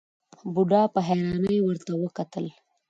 بوډا په حيرانۍ ورته وکتل.